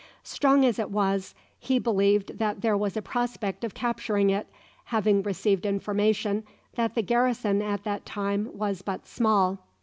Strong as it was, he believed that there was a prospect of capturing it, having received information that the garrison at that time was but small.